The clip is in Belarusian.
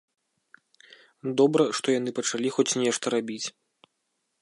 Добра, што яны пачалі хоць нешта рабіць.